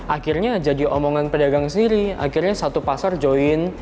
akhirnya jadi omongan pedagang sendiri akhirnya satu pasar join